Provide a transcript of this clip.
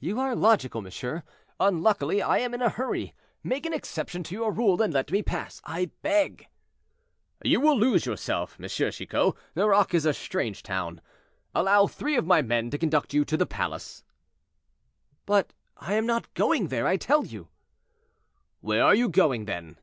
"You are logical, monsieur. Unluckily, I am in a hurry; make an exception to your rule, and let me pass, I beg." "You will lose yourself, M. Chicot; Nerac is a strange town. Allow three of my men to conduct you to the palace." "But I am not going there, I tell you." "Where are you going, then?"